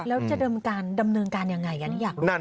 แล้วจะดำเนินการยังไงอยากรู้กัน